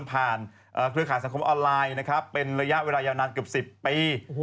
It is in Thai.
ผ่านเครือข่าวสังคมออนไลน์เป็นระยะเวลายาวนานกับ๑๐ปี